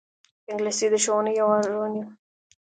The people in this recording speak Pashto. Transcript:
انګلیسي د ښوونې او روزنې برخه ده